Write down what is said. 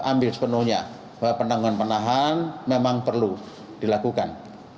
jawab diambil sepenuhnya bahwa penerangan penahan memang perlu dilakukan